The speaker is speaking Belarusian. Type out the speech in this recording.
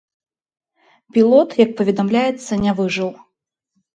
Пілот, як паведамляецца, не выжыў.